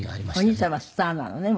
お兄様スターなのね